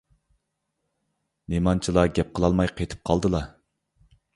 نېمانچىلا گەپ قىلالماي قېتىپ قالدىلا؟